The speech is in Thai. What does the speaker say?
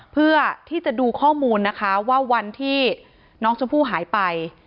เพื่อที่จะดูข้อมูลนะคะว่าวันที่น้องชมพู่หายไป